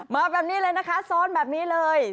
มาแบบนี้เลยนะคะซ้อนแบบนี้เลย